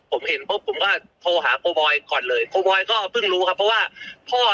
ผมเห็นปุ๊บผมก็โทรหาโคบอยก่อนเลยโปรบอยก็เพิ่งรู้ครับเพราะว่าพ่อ